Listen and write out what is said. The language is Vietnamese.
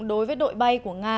đối với đội bay của nga